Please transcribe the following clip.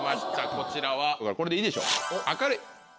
こちらはこれでいいでしょう。